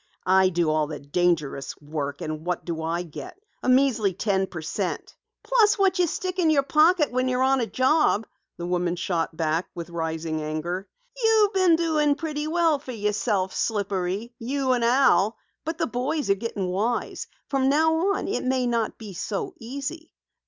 I do all the dangerous work, and what do I get? A measly ten per cent." "Plus what you stick in your pocket when you're on a job," the woman shot back with rising anger. "You've been doing pretty well for yourself, Slippery you and Al. But the boys are getting wise. From now on it may not be so easy.